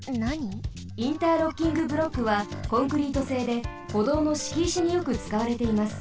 ロッキングブロックはコンクリートせいでほどうのしきいしによくつかわれています。